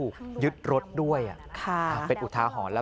ขอบคุณมากค่ะ